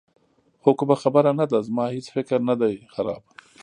خو کومه خبره نه ده، زما هېڅ فکر نه دی خراب.